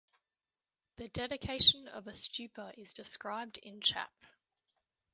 The dedication of a stupa is described in Chap.